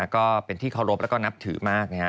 ก็เป็นที่เคารพแล้วก็นับถือมากนะฮะ